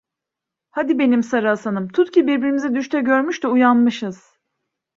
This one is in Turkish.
Hadi benim Sarı Hasanım, tut ki birbirimizi düşte görmüş de uyanmışız…